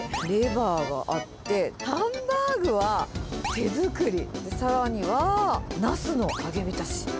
レバーがあって、ハンバーグは手作り、さらにはナスの揚げびたし。